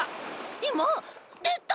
いまでた。